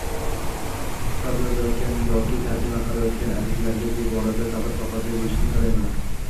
kitob yozayotgan yoki tarjima qilayotgan azizlarga bu borada sabr-toqatli bo‘lishni tilayman.